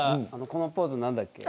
このポーズ何だっけ。